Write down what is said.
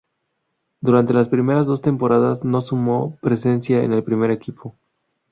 Durante las primeras dos temporadas, no sumó presencias en el primer equipo.